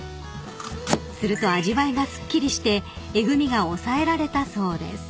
［すると味わいがすっきりしてえぐみが抑えられたそうです］